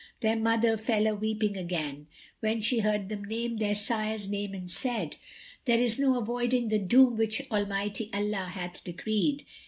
Their mother fell a weeping again, when she heard them name their sire's name and said, "There is no avoiding the doom which Almighty Allah hath decreed!"